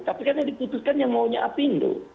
tapi karena diputuskan yang maunya apindo